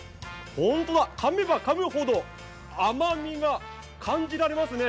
本当だ、かめばかむほど甘みが感じられますね。